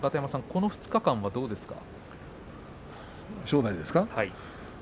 この２日間はどうですか。